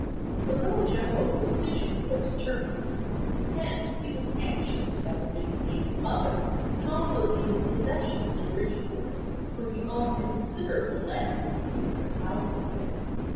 The little General was fidgety, but determined; hence he was anxious to have Lavinia meet his mother, and also see his possessions in Bridgeport, for he owned considerable land and numerous houses there.